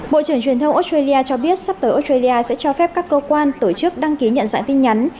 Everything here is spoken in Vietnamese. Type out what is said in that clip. bộ trưởng truyền thông australia cho biết sắp tới australia sẽ cho phép các cơ quan tổ chức đăng ký nhận dạng tin nhắn